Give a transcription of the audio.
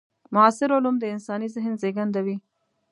معاصر علوم د انساني ذهن زېږنده وي.